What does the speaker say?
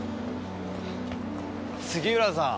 杉浦さん。